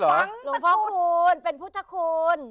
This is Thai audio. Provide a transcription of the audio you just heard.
หลวงพ่อคูณเป็นพุทธคุณ